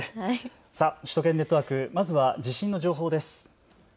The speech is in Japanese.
首都圏ネットワーク、まずは地震の情報です。